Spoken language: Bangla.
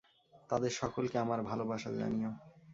তাদের সকলকে আমার ভালবাসা জানিও।